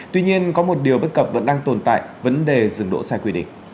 tuy nhiên có một điều bất cập vẫn đang tồn tại vấn đề dừng đỗ sai quy định